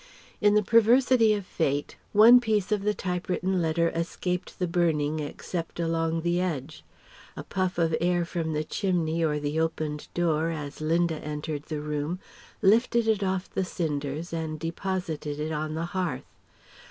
In the perversity of fate, one piece of the typewritten letter escaped the burning except along the edge. A puff of air from the chimney or the opened door, as Linda entered the room, lifted it off the cinders and deposited it on the hearth.